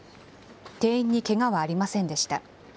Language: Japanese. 店員にけがはありませんでした。